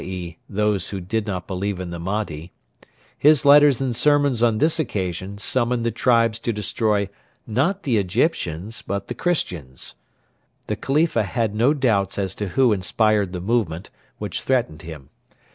e., those who did not believe in the Mahdi his letters and sermons on this occasion summoned the tribes to destroy not the Egyptians but the Christians. The Khalifa had no doubts as to who inspired the movement which threatened him.